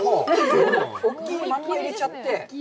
大きいまんま入れちゃって。